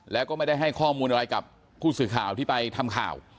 แล้วก็ไม่ได้ให้ข้อมูลอะไรกับผู้สื่อข่าวที่ไปทำข่าว